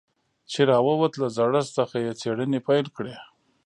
چې راووت له زړښت څخه يې څېړنې پيل کړې.